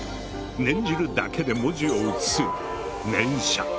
念じるだけで文字を写す「念写」。